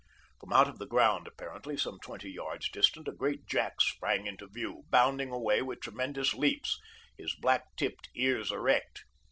From out of the ground apparently, some twenty yards distant, a great jack sprang into view, bounding away with tremendous leaps, his black tipped ears erect.